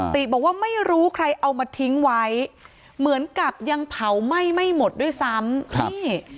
ติบอกว่าไม่รู้ใครเอามาทิ้งไว้เหมือนกับยังเผาไหม้ไม่หมดด้วยซ้ำ